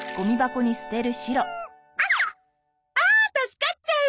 あ助かっちゃう！